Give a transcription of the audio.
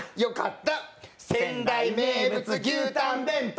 仙台名物牛たん弁当！